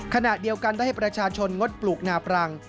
ขณะเดียวกันได้ให้ประชาชนงดปลูกนาปรัง